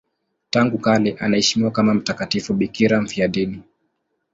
Tangu kale anaheshimiwa kama mtakatifu bikira mfiadini.